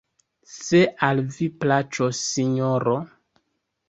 Se al vi plaĉos, Sinjoro...